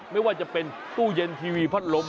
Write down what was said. ไม่ว่าจะเป็นตู้เย็นทีวีพัดลม